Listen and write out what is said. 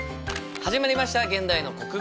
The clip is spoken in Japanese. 始まりました「現代の国語」。